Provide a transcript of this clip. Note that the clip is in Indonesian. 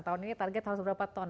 tahun ini target harus berapa ton